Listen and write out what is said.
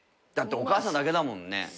だってお母さんだけだもんね。